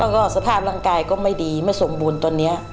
แล้วก็สภาพร่างกายก็ไม่ดีไม่สมบูรณ์ตอนนี้